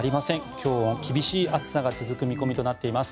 今日も厳しい暑さが続く見込みとなっています。